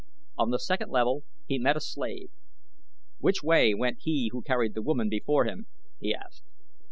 On the second level he met a slave. "Which way went he who carried the woman before him?" he asked.